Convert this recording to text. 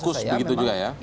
jadi maksud saya memang